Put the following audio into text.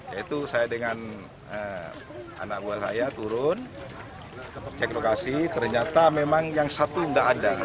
yaitu saya dengan anak buah saya turun cek lokasi ternyata memang yang satu tidak ada